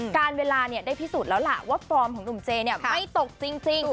การเวลาได้พิสูจน์แล้วล่ะว่าฟอร์มของหนุ่มเจเนี่ยไม่ตกจริง